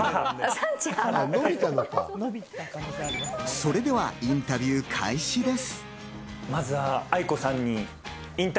それではインタビュー開始です。